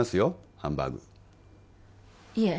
ハンバーグいえ